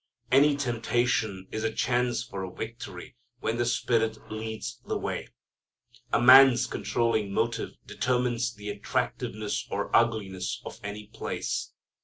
Any temptation is a chance for a victory when the Spirit leads the way. A man's controlling motive determines the attractiveness or ugliness of any place.